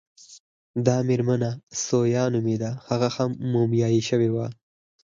دې مېرمنې ته ثویا نومېده، هغه هم مومیايي شوې وه.